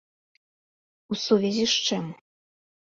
У сувязі з чым?